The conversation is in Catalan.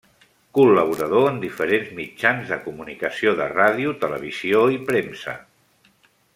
Col·laborador en diferents mitjans de comunicació de ràdio, televisió i premsa.